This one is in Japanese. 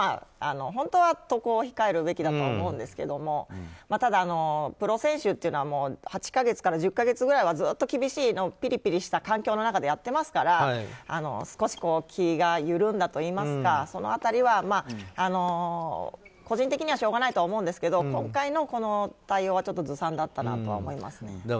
本当は渡航を控えるべきだとは思うんですがただ、プロ選手というのは８か月から１０か月くらいはずっと厳しいピリピリした環境の中でやっていますから少し気が緩んだといいますかその辺りは、個人的にはしょうがないと思うんですけど今回の、この対応はずさんだったなとは思いますね。